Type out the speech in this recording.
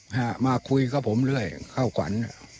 หอ่ามาคุยกับผมเลยเข้ากวรรณฯ